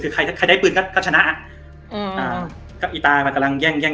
คือใครถ้าใครได้ปืนก็ก็ชนะอืมอ่ากับอีตามันกำลังแย่งแย่ง